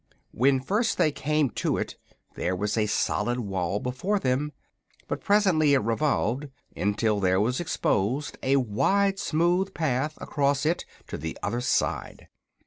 When first they came to it there was a solid wall before them; but presently it revolved until there was exposed a wide, smooth path across it to the other side.